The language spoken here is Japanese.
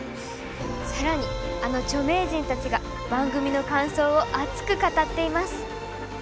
更にあの著名人たちが番組の感想を熱く語っています。